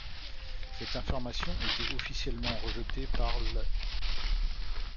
Cette information était officiellement rejetée par l'.